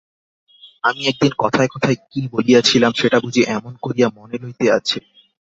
আমি একদিন কথায় কথায় কী বলিয়াছিলাম, সেটা বুঝি এমন করিয়া মনে লইতে আছে?